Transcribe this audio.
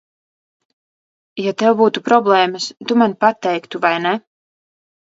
Ja tev būtu problēmas, tu man pateiktu, vai ne?